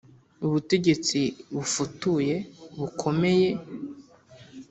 ubutegetsi bufutuye, bukomeye.